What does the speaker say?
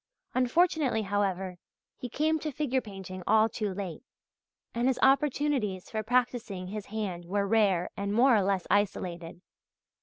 Unfortunately, however, he came to figure painting all too late, and his opportunities for practising his hand were rare and more or less isolated.